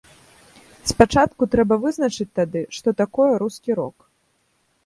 Спачатку трэба вызначыць тады, што такое рускі рок.